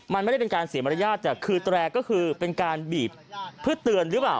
มันไม่ได้เป็นการเสียมารยาทแต่คือแตรก็คือเป็นการบีบเพื่อเตือนหรือเปล่า